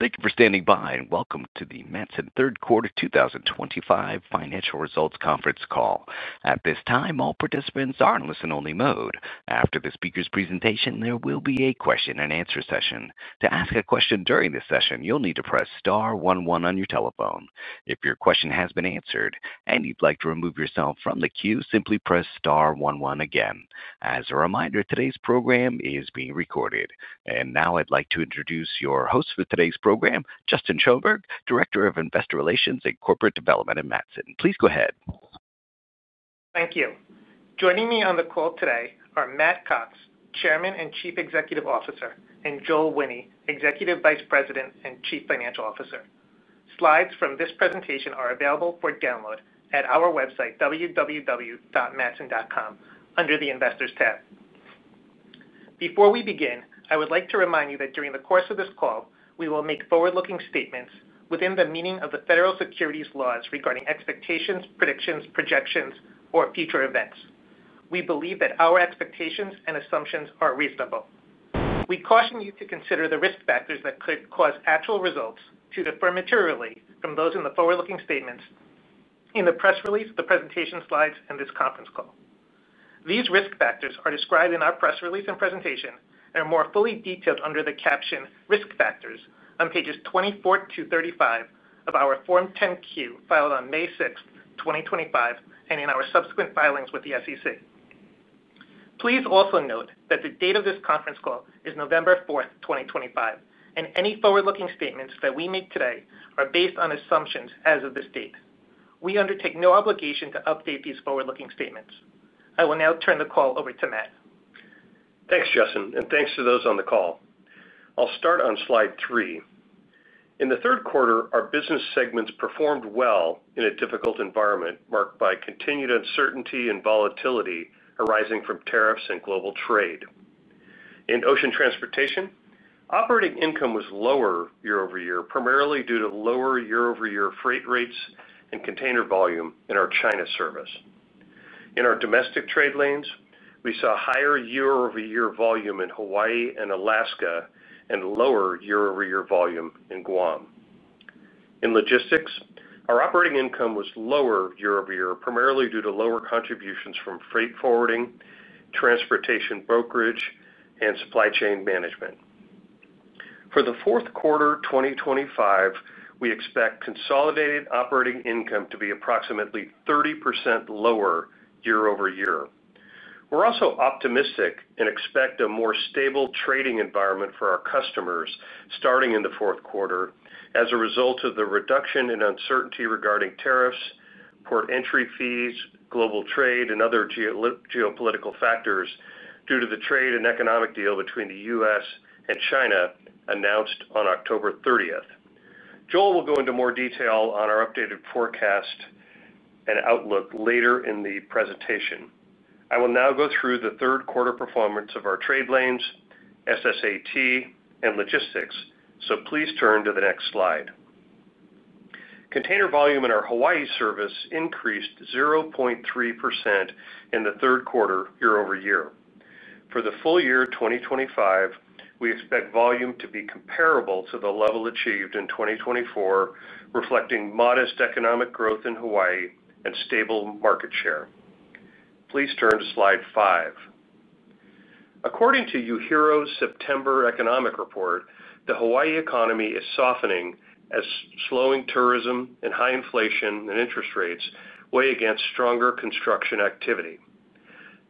Thank you for standing by, and welcome to the Matson Third Quarter 2025 financial results conference call. At this time, all participants are in listen-only mode. After the speaker's presentation, there will be a question-and-answer session. To ask a question during this session, you'll need to press Star 11 on your telephone. If your question has been answered and you'd like to remove yourself from the queue, simply press Star 11 again. As a reminder, today's program is being recorded. And now I'd like to introduce your host for today's program, Justin Schoenberg, Director of Investor Relations and Corporate Development at Matson. Please go ahead. Thank you. Joining me on the call today are Matt Cox, Chairman and Chief Executive Officer, and Joel Wine, Executive Vice President and Chief Financial Officer. Slides from this presentation are available for download at our website, www.matson.com, under the Investors tab. Before we begin, I would like to remind you that during the course of this call, we will make forward-looking statements within the meaning of the federal securities laws regarding expectations, predictions, projections, or future events. We believe that our expectations and assumptions are reasonable. We caution you to consider the risk factors that could cause actual results to differ materially from those in the forward-looking statements in the press release, the presentation slides, and this conference call. These risk factors are described in our press release and presentation and are more fully detailed under the caption "Risk Factors" on pages 24 to 35 of our Form 10-Q filed on May 6th, 2025, and in our subsequent filings with the SEC. Please also note that the date of this conference call is November 4th, 2025, and any forward-looking statements that we make today are based on assumptions as of this date. We undertake no obligation to update these forward-looking statements. I will now turn the call over to Matt. Thanks, Justin, and thanks to those on the call. I'll start on slide three. In the third quarter, our business segments performed well in a difficult environment marked by continued uncertainty and volatility arising from tariffs and global trade. In Ocean Transportation, operating income was lower year-over-year, primarily due to lower year-over-year freight rates and container volume in our China service. In our domestic trade lanes, we saw higher year-over-year volume in Hawaii and Alaska and lower year-over-year volume in Guam. In Logistics, our operating income was lower year-over-year, primarily due to lower contributions from freight forwarding, transportation brokerage, and supply chain management. For the fourth quarter 2025, we expect consolidated operating income to be approximately 30% lower year-over-year. We're also optimistic and expect a more stable trading environment for our customers starting in the fourth quarter as a result of the reduction in uncertainty regarding tariffs, port entry fees, global trade, and other geopolitical factors due to the trade and economic deal between the U.S. and China announced on October 30th. Joel will go into more detail on our updated forecast and outlook later in the presentation. I will now go through the third quarter performance of our trade lanes, SSAT, and Logistics, so please turn to the next slide. Container volume in our Hawaii service increased 0.3% in the third quarter year-over-year. For the full year 2025, we expect volume to be comparable to the level achieved in 2024, reflecting modest economic growth in Hawaii and stable market share. Please turn to slide five. According to UHERO's September economic report, the Hawaii economy is softening as slowing tourism and high inflation and interest rates weigh against stronger construction activity.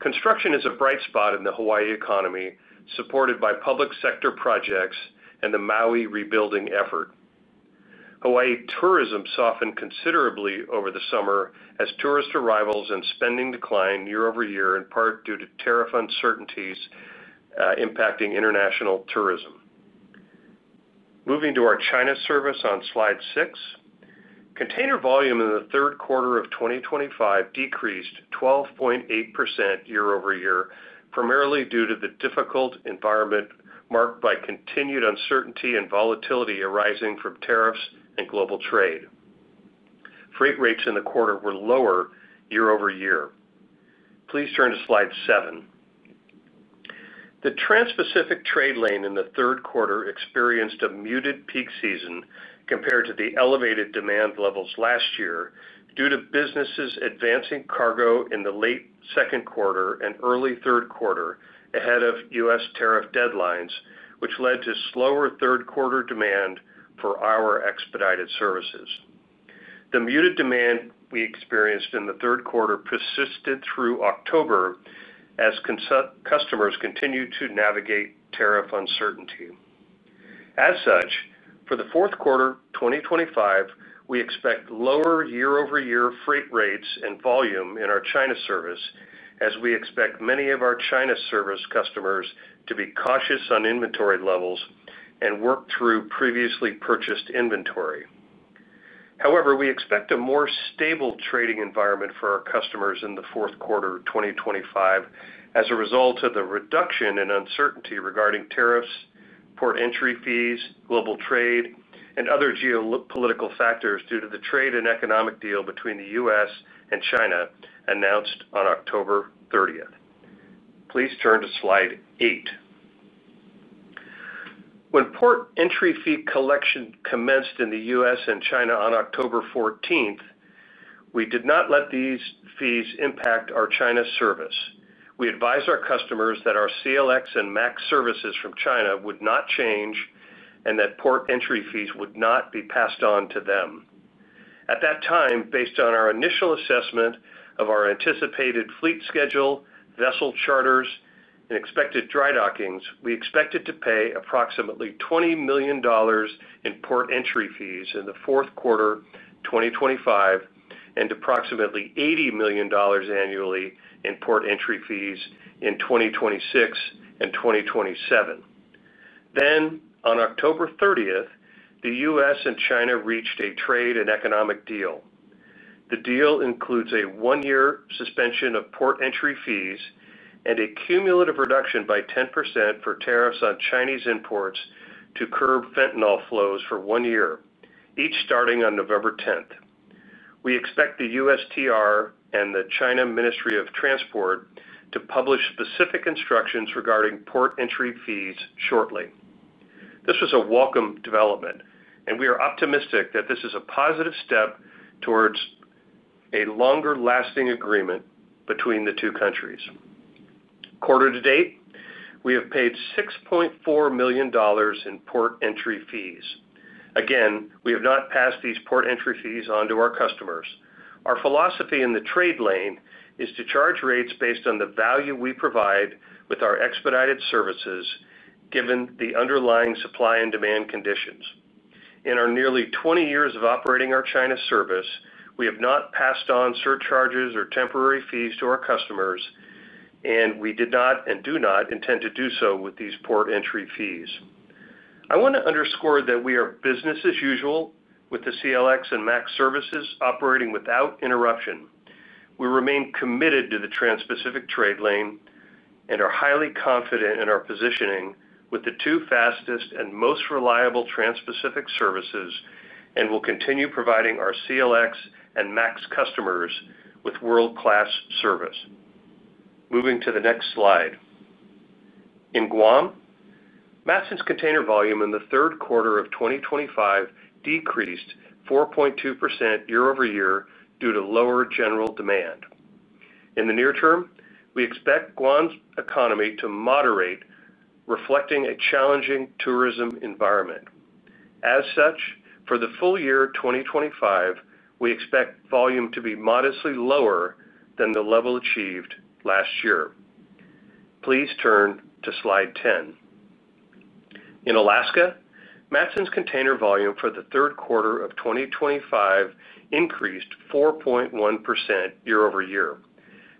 Construction is a bright spot in the Hawaii economy, supported by public sector projects and the Maui rebuilding effort. Hawaii tourism softened considerably over the summer as tourist arrivals and spending declined year-over-year, in part due to tariff uncertainties impacting international tourism. Moving to our China service on slide six, container volume in the third quarter of 2025 decreased 12.8% year-over-year, primarily due to the difficult environment marked by continued uncertainty and volatility arising from tariffs and global trade. Freight rates in the quarter were lower year-over-year. Please turn to slide seven. The Trans-Pacific trade lane in the third quarter experienced a muted peak season compared to the elevated demand levels last year due to businesses advancing cargo in the late second quarter and early third quarter ahead of U.S. tariff deadlines, which led to slower third quarter demand for our expedited services. The muted demand we experienced in the third quarter persisted through October as customers continued to navigate tariff uncertainty. As such, for the fourth quarter 2025, we expect lower year-over-year freight rates and volume in our China service as we expect many of our China service customers to be cautious on inventory levels and work through previously purchased inventory. However, we expect a more stable trading environment for our customers in the fourth quarter 2025 as a result of the reduction in uncertainty regarding tariffs, port entry fees, global trade, and other geopolitical factors due to the trade and economic deal between the U.S. and China announced on October 30th. Please turn to slide eight. When port entry fee collection commenced in the U.S. and China on October 14th, we did not let these fees impact our China service. We advised our customers that our CLX and MAX services from China would not change and that port entry fees would not be passed on to them. At that time, based on our initial assessment of our anticipated fleet schedule, vessel charters, and expected dry dockings, we expected to pay approximately $20 million in port entry fees in the fourth quarter 2025 and approximately $80 million annually in port entry fees in 2026 and 2027. Then, on October 30th, the U.S. and China reached a trade and economic deal. The deal includes a one-year suspension of port entry fees and a cumulative reduction by 10% for tariffs on Chinese imports to curb fentanyl flows for one year, each starting on November 10th. We expect the USTR and the China Ministry of Transport to publish specific instructions regarding port entry fees shortly. This was a welcome development, and we are optimistic that this is a positive step towards a longer-lasting agreement between the two countries. Quarter to date, we have paid $6.4 million in port entry fees. Again, we have not passed these port entry fees on to our customers. Our philosophy in the trade lane is to charge rates based on the value we provide with our expedited services given the underlying supply and demand conditions. In our nearly 20 years of operating our China service, we have not passed on surcharges or temporary fees to our customers, and we did not and do not intend to do so with these port entry fees. I want to underscore that we are business as usual with the CLX and MAX services operating without interruption. We remain committed to the Trans-Pacific trade lane and are highly confident in our positioning with the two fastest and most reliable Trans-Pacific services and will continue providing our CLX and MAX customers with world-class service. Moving to the next slide. In Guam, Matson's container volume in the third quarter of 2025 decreased 4.2% year-over-year due to lower general demand. In the near term, we expect Guam's economy to moderate, reflecting a challenging tourism environment. As such, for the full year 2025, we expect volume to be modestly lower than the level achieved last year. Please turn to slide 10. In Alaska, Matson's container volume for the third quarter of 2025 increased 4.1% year-over-year.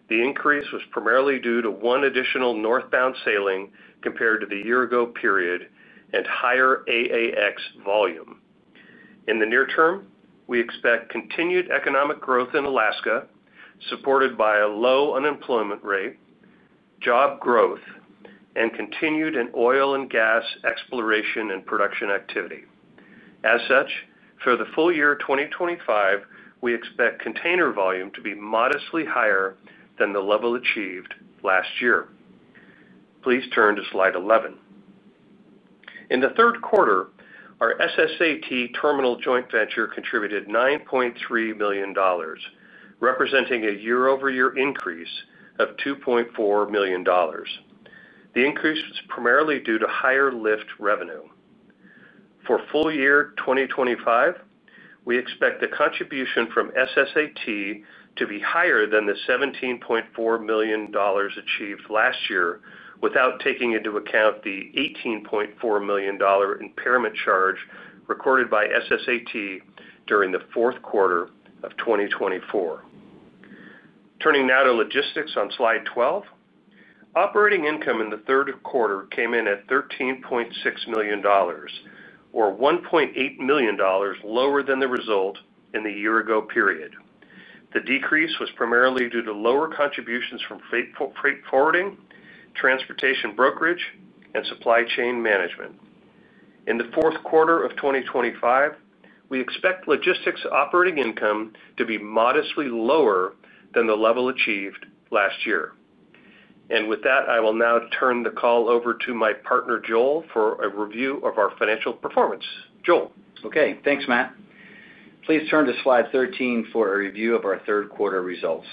The increase was primarily due to one additional northbound sailing compared to the year-ago period and higher AAX volume. In the near term, we expect continued economic growth in Alaska, supported by a low unemployment rate, job growth, and continued oil and gas exploration and production activity. As such, for the full year 2025, we expect container volume to be modestly higher than the level achieved last year. Please turn to slide 11. In the third quarter, our SSAT terminal joint venture contributed $9.3 million, representing a year-over-year increase of $2.4 million. The increase was primarily due to higher lift revenue. For full year 2025, we expect the contribution from SSAT to be higher than the $17.4 million achieved last year without taking into account the $18.4 million impairment charge recorded by SSAT during the fourth quarter of 2024. Turning now to Logistics on slide 12. Operating income in the third quarter came in at $13.6 million, or $1.8 million lower than the result in the year-ago period. The decrease was primarily due to lower contributions from freight forwarding, transportation brokerage, and supply chain management. In the fourth quarter of 2025, we expect Logistics operating income to be modestly lower than the level achieved last year. And with that, I will now turn the call over to my partner, Joel, for a review of our financial performance. Joel. Okay. Thanks, Matt. Please turn to slide 13 for a review of our third quarter results.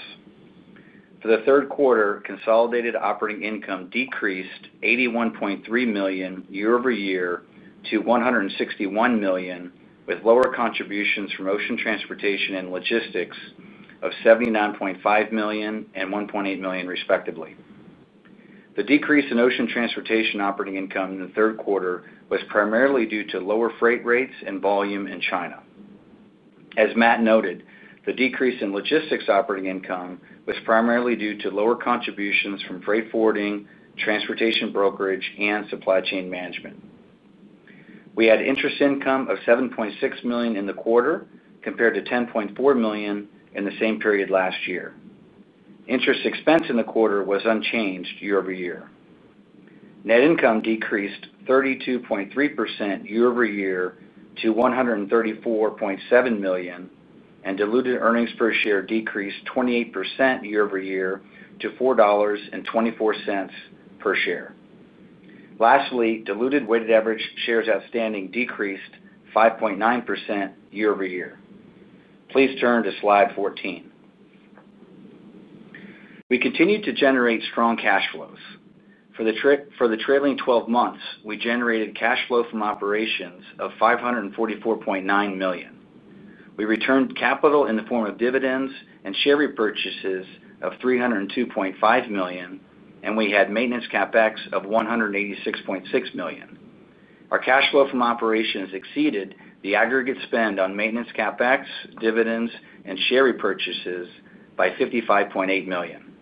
For the third quarter, consolidated operating income decreased $81.3 million year-over-year to $161 million, with lower contributions from Ocean Transportation and Logistics of $79.5 million and $1.8 million, respectively. The decrease in Ocean Transportation operating income in the third quarter was primarily due to lower freight rates and volume in China. As Matt noted, the decrease in Logistics operating income was primarily due to lower contributions from freight forwarding, transportation brokerage, and supply chain management. We had interest income of $7.6 million in the quarter compared to $10.4 million in the same period last year. Interest expense in the quarter was unchanged year-over-year. Net income decreased 32.3% year-over-year to $134.7 million, and diluted earnings per share decreased 28% year-over-year to $4.24 per share. Lastly, diluted weighted average shares outstanding decreased 5.9% year-over-year. Please turn to slide 14. We continued to generate strong cash flows. For the trailing 12 months, we generated cash flow from operations of $544.9 million. We returned capital in the form of dividends and share repurchases of $302.5 million, and we had maintenance CapEx of $186.6 million. Our cash flow from operations exceeded the aggregate spend on maintenance CapEx, dividends, and share repurchases by $55.8 million.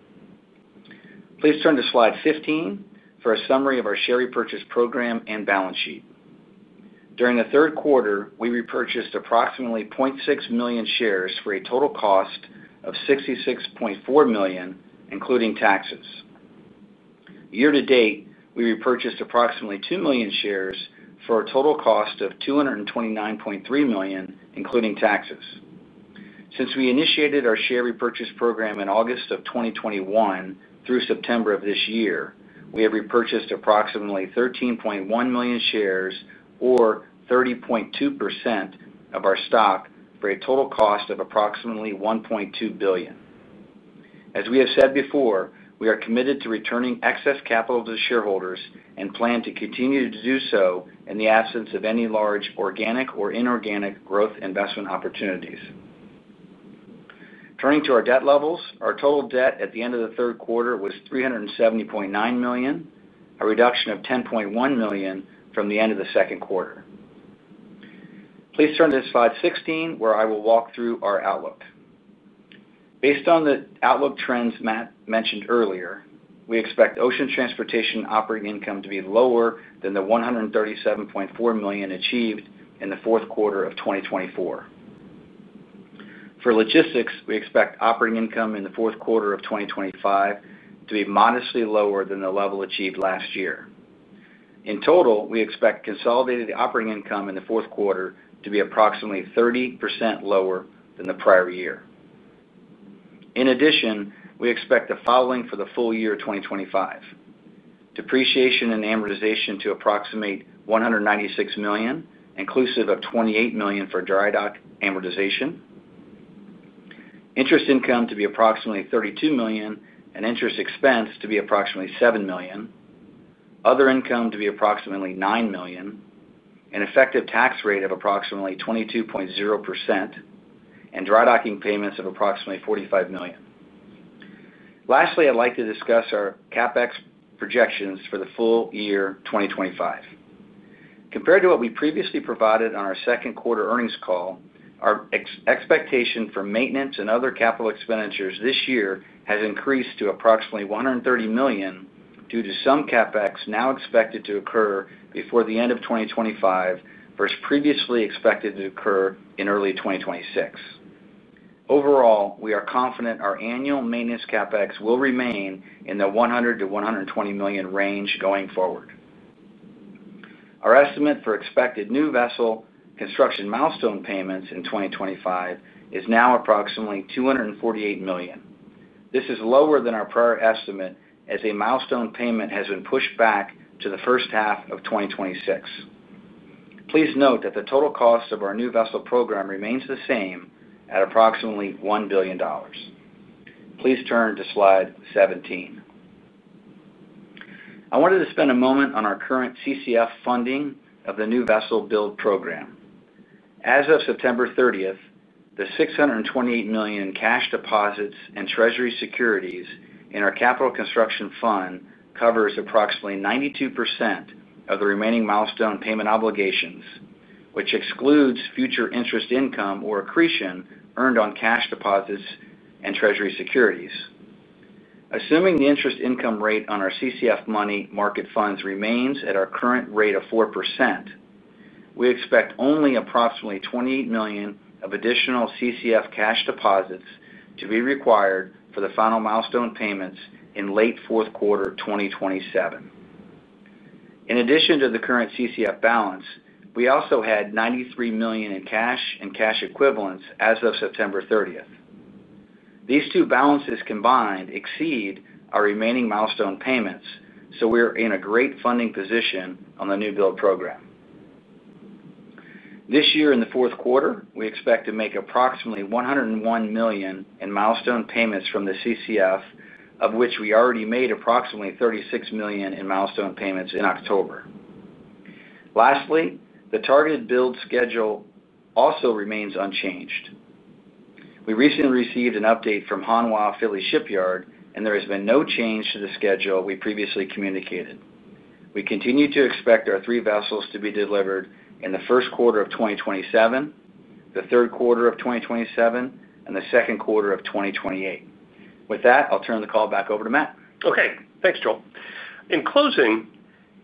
Please turn to slide 15 for a summary of our share repurchase program and balance sheet. During the third quarter, we repurchased approximately 0.6 million shares for a total cost of $66.4 million, including taxes. Year-to-date, we repurchased approximately 2 million shares for a total cost of $229.3 million, including taxes. Since we initiated our share repurchase program in August of 2021 through September of this year, we have repurchased approximately 13.1 million shares, or 30.2% of our stock, for a total cost of approximately $1.2 billion. As we have said before, we are committed to returning excess capital to shareholders and plan to continue to do so in the absence of any large organic or inorganic growth investment opportunities. Turning to our debt levels, our total debt at the end of the third quarter was $370.9 million, a reduction of $10.1 million from the end of the second quarter. Please turn to slide 16, where I will walk through our outlook. Based on the outlook trends Matt mentioned earlier, we expect Ocean Transportation operating income to be lower than the $137.4 million achieved in the fourth quarter of 2024. For Logistics, we expect operating income in the fourth quarter of 2025 to be modestly lower than the level achieved last year. In total, we expect consolidated operating income in the fourth quarter to be approximately 30% lower than the prior year. In addition, we expect the following for the full year 2025. Depreciation and amortization to approximate $196 million, inclusive of $28 million for dry dock amortization. Interest income to be approximately $32 million, and interest expense to be approximately $7 million. Other income to be approximately $9 million, an effective tax rate of approximately 22.0%, and dry docking payments of approximately $45 million. Lastly, I'd like to discuss our CapEx projections for the full year 2025. Compared to what we previously provided on our second quarter earnings call, our expectation for maintenance and other capital expenditures this year has increased to approximately $130 million due to some CapEx now expected to occur before the end of 2025 versus previously expected to occur in early 2026. Overall, we are confident our annual maintenance CapEx will remain in the $100-$120 million range going forward. Our estimate for expected new vessel construction milestone payments in 2025 is now approximately $248 million. This is lower than our prior estimate as a milestone payment has been pushed back to the first half of 2026. Please note that the total cost of our new vessel program remains the same at approximately $1 billion. Please turn to slide 17. I wanted to spend a moment on our current CCF funding of the new vessel build program. As of September 30th, the $628 million cash deposits and treasury securities in our capital construction fund covers approximately 92% of the remaining milestone payment obligations, which excludes future interest income or accretion earned on cash deposits and treasury securities. Assuming the interest income rate on our CCF money market funds remains at our current rate of 4%. We expect only approximately $28 million of additional CCF cash deposits to be required for the final milestone payments in late fourth quarter 2027. In addition to the current CCF balance, we also had $93 million in cash and cash equivalents as of September 30th. These two balances combined exceed our remaining milestone payments, so we're in a great funding position on the new build program. This year, in the fourth quarter, we expect to make approximately $101 million in milestone payments from the CCF, of which we already made approximately $36 million in milestone payments in October. Lastly, the targeted build schedule also remains unchanged. We recently received an update from Hanwha Philly Shipyard, and there has been no change to the schedule we previously communicated. We continue to expect our three vessels to be delivered in the first quarter of 2027, the third quarter of 2027, and the second quarter of 2028. With that, I'll turn the call back over to Matt. Okay. Thanks, Joel. In closing,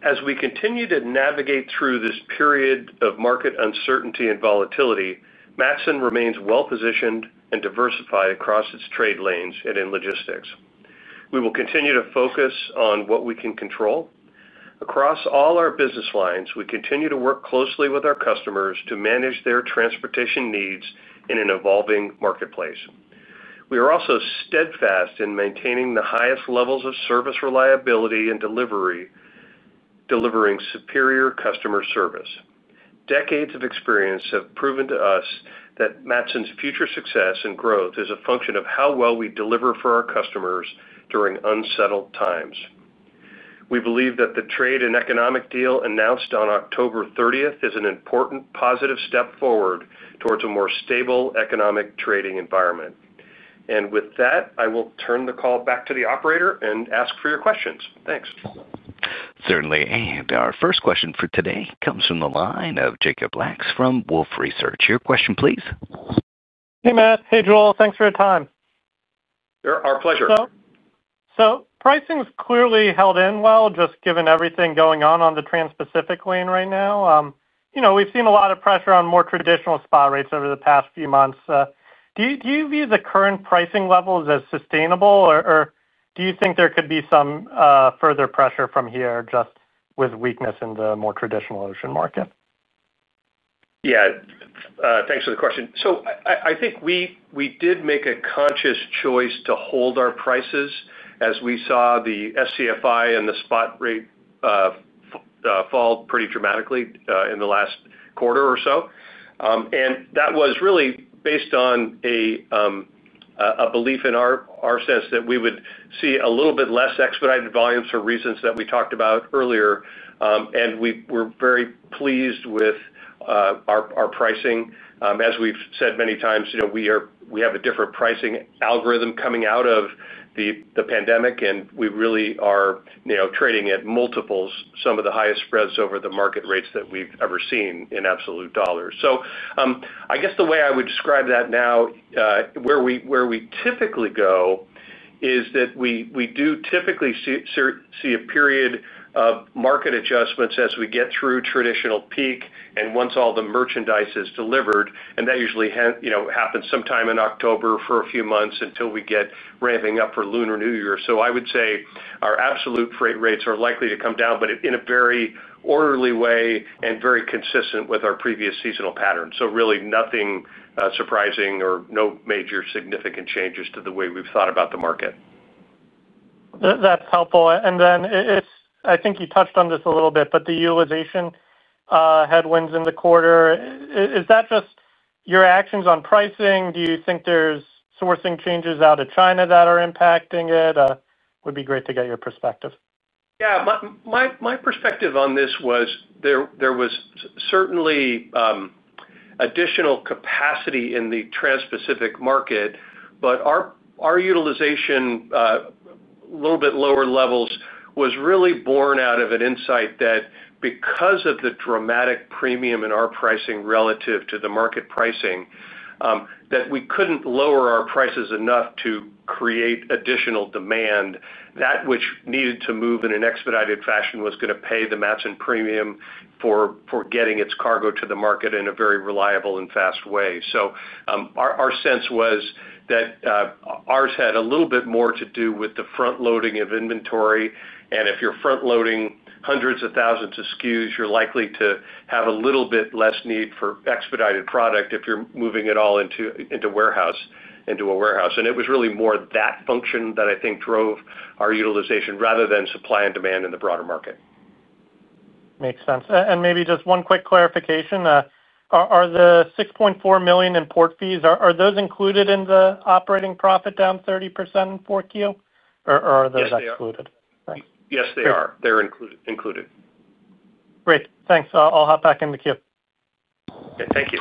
as we continue to navigate through this period of market uncertainty and volatility, Matson remains well-positioned and diversified across its trade lanes and in Logistics. We will continue to focus on what we can control. Across all our business lines, we continue to work closely with our customers to manage their transportation needs in an evolving marketplace. We are also steadfast in maintaining the highest levels of service reliability and delivering superior customer service. Decades of experience have proven to us that Matson's future success and growth is a function of how well we deliver for our customers during unsettled times. We believe that the trade and economic deal announced on October 30th is an important positive step forward towards a more stable economic trading environment. And with that, I will turn the call back to the operator and ask for your questions. Thanks. Certainly. And our first question for today comes from the line of Jacob Lacks from Wolfe Research. Your question, please. Hey, Matt. Hey, Joel. Thanks for your time. Sure. Our pleasure. So pricing's clearly held up well, just given everything going on the Trans-Pacific lane right now. We've seen a lot of pressure on more traditional spot rates over the past few months. Do you view the current pricing levels as sustainable, or do you think there could be some further pressure from here just with weakness in the more traditional ocean market? Yeah. Thanks for the question. So I think we did make a conscious choice to hold our prices as we saw the SCFI and the spot rate fall pretty dramatically in the last quarter or so. And that was really based on a belief in our sense that we would see a little bit less expedited volumes for reasons that we talked about earlier. And we were very pleased with our pricing. As we've said many times, we have a different pricing algorithm coming out of the pandemic, and we really are trading at multiples, some of the highest spreads over the market rates that we've ever seen in absolute dollars. So I guess the way I would describe that now, where we typically go is that we do typically see a period of market adjustments as we get through traditional peak and once all the merchandise is delivered. And that usually happens sometime in October for a few months until we get ramping up for Lunar New Year. So I would say our absolute freight rates are likely to come down, but in a very orderly way and very consistent with our previous seasonal pattern. So really nothing surprising or no major significant changes to the way we've thought about the market. That's helpful. And then I think you touched on this a little bit, but the utilization headwinds in the quarter. Is that just your actions on pricing? Do you think there's sourcing changes out of China that are impacting it? It would be great to get your perspective. Yeah. My perspective on this was there was certainly additional capacity in the Trans-Pacific market. But our utilization at a little bit lower levels was really born out of an insight that because of the dramatic premium in our pricing relative to the market pricing that we couldn't lower our prices enough to create additional demand. That which needed to move in an expedited fashion was going to pay the Matson premium for getting its cargo to the market in a very reliable and fast way. So our sense was that ours had a little bit more to do with the front-loading of inventory. And if you're front-loading hundreds of thousands of SKUs, you're likely to have a little bit less need for expedited product if you're moving it all into a warehouse. And it was really more that function that I think drove our utilization rather than supply and demand in the broader market. Makes sense. And maybe just one quick clarification. Are the $6.4 million in port fees, are those included in the operating profit down 30% in Q4? Or are those excluded? Yes, they are. They're included. Great. Thanks. I'll hop back in the queue. Okay. Thank you.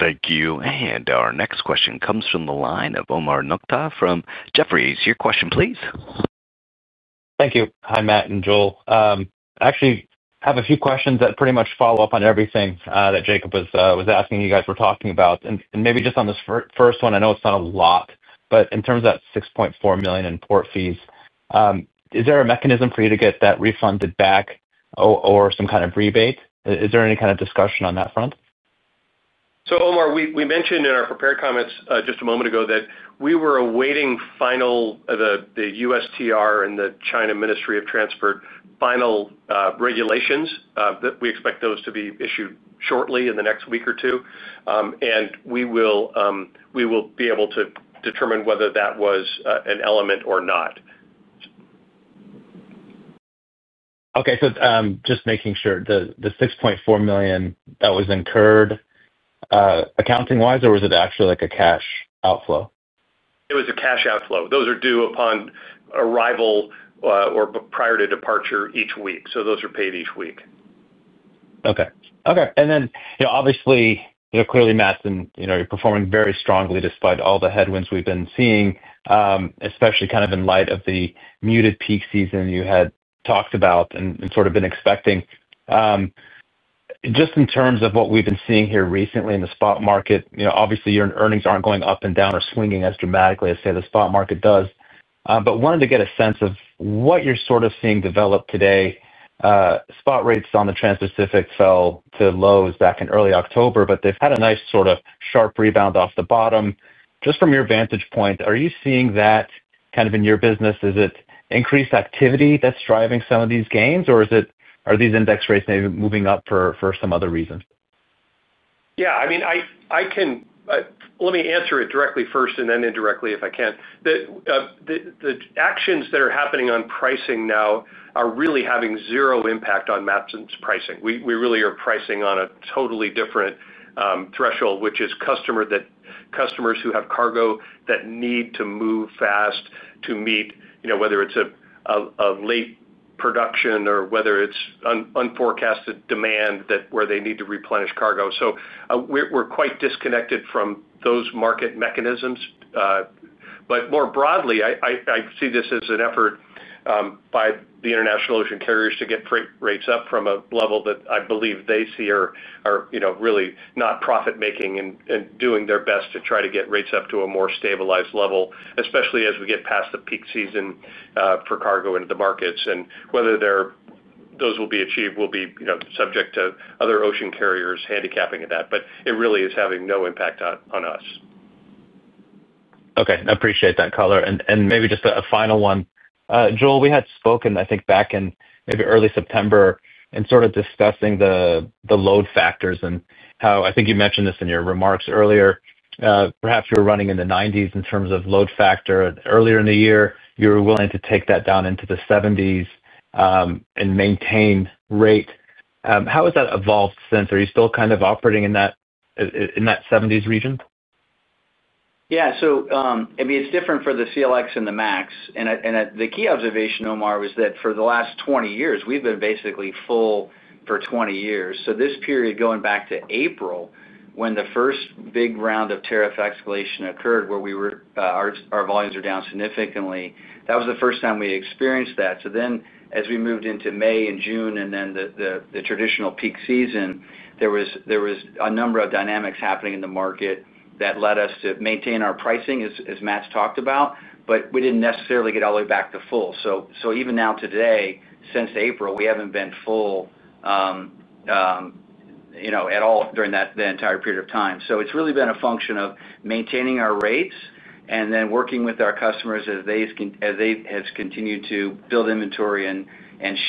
Thank you. And our next question comes from the line of Omar Nokta from Jefferies. Your question, please. Thank you. Hi, Matt and Joel. I actually have a few questions that pretty much follow up on everything that Jacob was asking you guys were talking about. And maybe just on this first one, I know it's not a lot, but in terms of that $6.4 million in port fees, is there a mechanism for you to get that refunded back? Or some kind of rebate? Is there any kind of discussion on that front? So Omar, we mentioned in our prepared comments just a moment ago that we were awaiting final the USTR and the China Ministry of Transport final regulations. We expect those to be issued shortly in the next week or two. And we will be able to determine whether that was an element or not. Okay. So just making sure, the $6.4 million that was incurred. Accounting-wise, or was it actually like a cash outflow? It was a cash outflow. Those are due upon arrival or prior to departure each week. So those are paid each week. Okay. Okay. And then obviously, clearly, Matson, you're performing very strongly despite all the headwinds we've been seeing, especially kind of in light of the muted peak season you had talked about and sort of been expecting. Just in terms of what we've been seeing here recently in the spot market, obviously, your earnings aren't going up and down or swinging as dramatically as, say, the spot market does. But wanted to get a sense of what you're sort of seeing develop today. Spot rates on the Trans-Pacific fell to lows back in early October, but they've had a nice sort of sharp rebound off the bottom. Just from your vantage point, are you seeing that kind of in your business? Is it increased activity that's driving some of these gains, or are these index rates maybe moving up for some other reasons? Yeah. I mean, let me answer it directly first and then indirectly if I can. The actions that are happening on pricing now are really having zero impact on Matson's pricing. We really are pricing on a totally different threshold, which is customers who have cargo that need to move fast to meet, whether it's a late production or whether it's unforecasted demand where they need to replenish cargo. So we're quite disconnected from those market mechanisms. But more broadly, I see this as an effort by the international ocean carriers to get freight rates up from a level that I believe they see are really not profit-making and doing their best to try to get rates up to a more stabilized level, especially as we get past the peak season for cargo into the markets. And whether those will be achieved will be subject to other ocean carriers handicapping at that. But it really is having no impact on us. Okay. I appreciate that, Matt. And maybe just a final one. Joel, we had spoken, I think, back in maybe early September and sort of discussing the load factors and how I think you mentioned this in your remarks earlier. Perhaps you were running in the 90s in terms of load factor. Earlier in the year, you were willing to take that down into the 70s. And maintain rate. How has that evolved since? Are you still kind of operating in that 70s region? Yeah. So I mean, it's different for the CLX and the MAX. And the key observation, Omar, was that for the last 20 years, we've been basically full for 20 years. So this period, going back to April, when the first big round of tariff escalation occurred, where our volumes are down significantly, that was the first time we experienced that. So then, as we moved into May and June and then the traditional peak season, there was a number of dynamics happening in the market that led us to maintain our pricing, as Matt's talked about, but we didn't necessarily get all the way back to full. So even now today, since April, we haven't been full at all during the entire period of time. So it's really been a function of maintaining our rates and then working with our customers as they have continued to build inventory and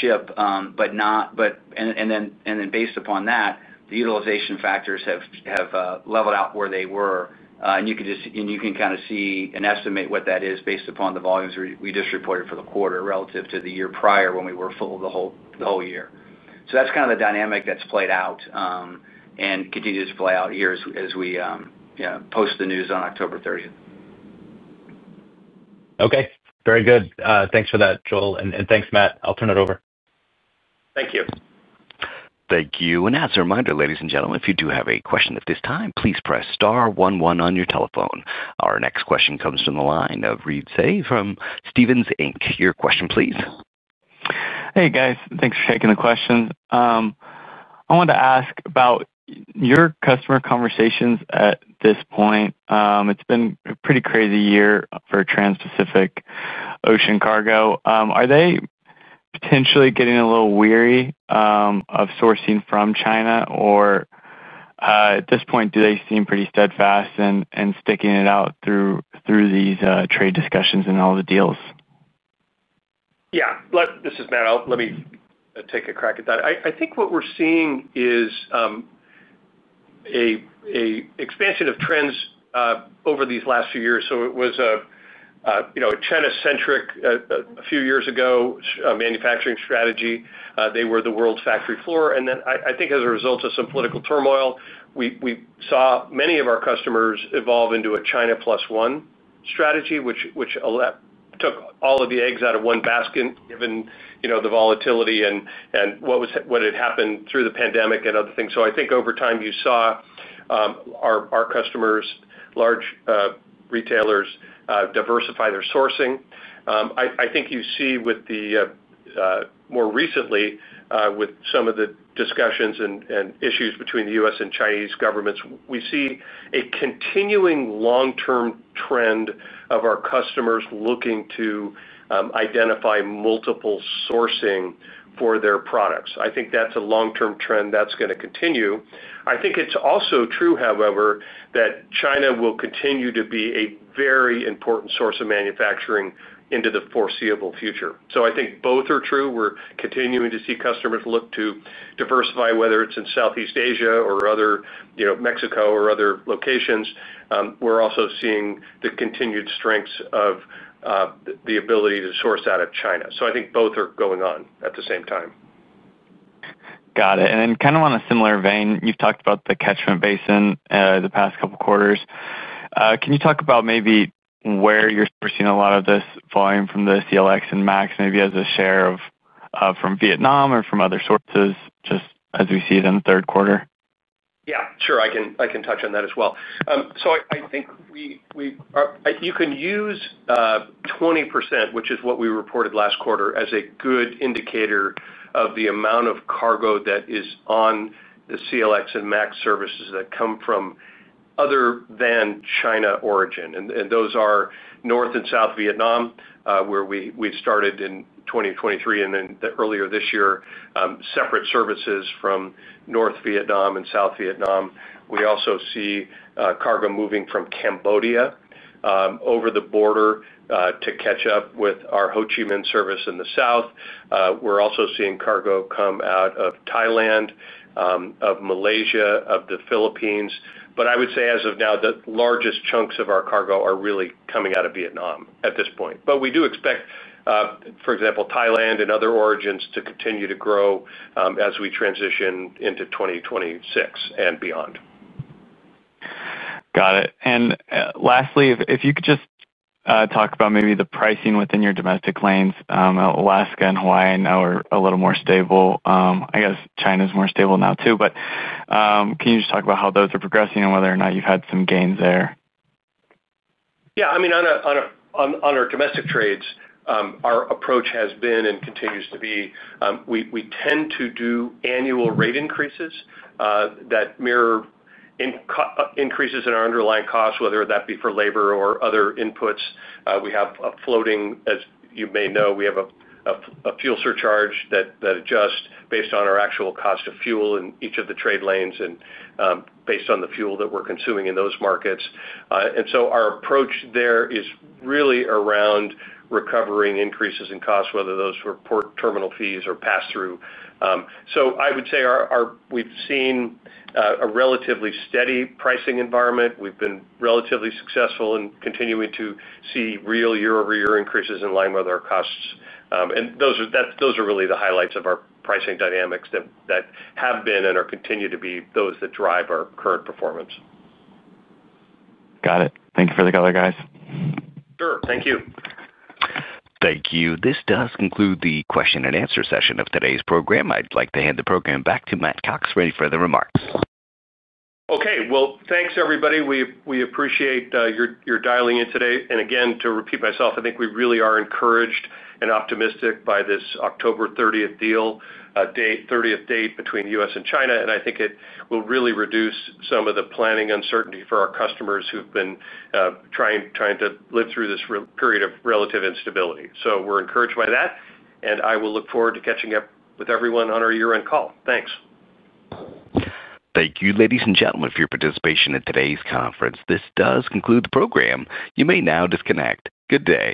ship. And then based upon that, the utilization factors have leveled out where they were. And you can kind of see and estimate what that is based upon the volumes we just reported for the quarter relative to the year prior when we were full the whole year. So that's kind of the dynamic that's played out and continues to play out here as we post the news on October 30th. Okay. Very good. Thanks for that, Joel. And thanks, Matt. I'll turn it over. Thank you. Thank you. And as a reminder, ladies and gentlemen, if you do have a question at this time, please press star 11 on your telephone. Our next question comes from the line of Reed Seay from Stephens Inc. Your question, please. Hey, guys. Thanks for taking the questions. I wanted to ask about your customer conversations at this point. It's been a pretty crazy year for Trans-Pacific ocean cargo. Are they potentially getting a little weary of sourcing from China, or, at this point, do they seem pretty steadfast in sticking it out through these trade discussions and all the deals? Yeah. This is Matt. Let me take a crack at that. I think what we're seeing is an expansion of trends over these last few years. So it was a China-centric, a few years ago, manufacturing strategy. They were the world's factory floor. And then I think as a result of some political turmoil, we saw many of our customers evolve into a China plus one strategy, which took all of the eggs out of one basket given the volatility and what had happened through the pandemic and other things. So I think over time, you saw our customers, large retailers, diversify their sourcing. I think you see with the more recently, with some of the discussions and issues between the U.S. and Chinese governments, we see a continuing long-term trend of our customers looking to identify multiple sourcing for their products. I think that's a long-term trend that's going to continue. I think it's also true, however, that China will continue to be a very important source of manufacturing into the foreseeable future. So I think both are true. We're continuing to see customers look to diversify, whether it's in Southeast Asia or Mexico or other locations. We're also seeing the continued strengths of the ability to source out of China. So I think both are going on at the same time. Got it. And then kind of on a similar vein, you've talked about the catchment basin the past couple of quarters. Can you talk about maybe where you're seeing a lot of this volume from the CLX and MAX, maybe as a share from Vietnam or from other sources, just as we see it in the third quarter? Yeah. Sure. I can touch on that as well. So I think you can use 20%, which is what we reported last quarter, as a good indicator of the amount of cargo that is on the CLX and MAX services that come from other than China origin. And those are North and South Vietnam, where we started in 2023, and then earlier this year, separate services from North Vietnam and South Vietnam. We also see cargo moving from Cambodia over the border to catch up with our Ho Chi Minh service in the south. We're also seeing cargo come out of Thailand, of Malaysia, of the Philippines. But I would say, as of now, the largest chunks of our cargo are really coming out of Vietnam at this point. But we do expect, for example, Thailand and other origins to continue to grow as we transition into 2026 and beyond. Got it. And lastly, if you could just talk about maybe the pricing within your domestic lanes. Alaska and Hawaii now are a little more stable. I guess China is more stable now too. But can you just talk about how those are progressing and whether or not you've had some gains there? Yeah. I mean, on our domestic trades, our approach has been and continues to be. We tend to do annual rate increases that mirror increases in our underlying costs, whether that be for labor or other inputs. We have a floating, as you may know, we have a fuel surcharge that adjusts based on our actual cost of fuel in each of the trade lanes and based on the fuel that we're consuming in those markets. And so our approach there is really around recovering increases in costs, whether those were port terminal fees or pass-through. So I would say we've seen a relatively steady pricing environment. We've been relatively successful in continuing to see real year-over-year increases in line with our costs, and those are really the highlights of our pricing dynamics that have been and are continued to be those that drive our current performance. Got it. Thank you for the color, guys. Sure. Thank you. Thank you. This does conclude the question and answer session of today's program. I'd like to hand the program back to Matt Cox for any further remarks. Okay, well, thanks, everybody. We appreciate your dialing in today, and again, to repeat myself, I think we really are encouraged and optimistic by this October 30th deal, 30th date between the U.S. and China, and I think it will really reduce some of the planning uncertainty for our customers who've been trying to live through this period of relative instability, so we're encouraged by that, and I will look forward to catching up with everyone on our year-end call. Thanks. Thank you, ladies and gentlemen, for your participation in today's conference. This does conclude the program. You may now disconnect. Good day.